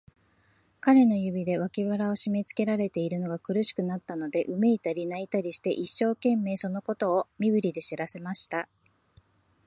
彼の指で、脇腹をしめつけられているのが苦しくなったので、うめいたり、泣いたりして、一生懸命、そのことを身振りで知らせました。